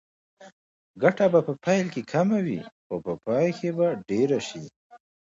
ګټه به په پیل کې کمه وي خو په پای کې به ډېره شي.